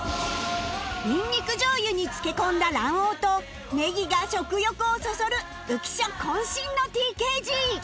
ニンニク醤油に漬け込んだ卵黄とねぎが食欲をそそる浮所渾身の ＴＫＧ！